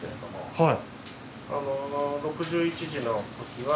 はい。